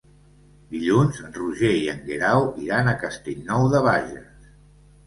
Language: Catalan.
Dilluns en Roger i en Guerau iran a Castellnou de Bages.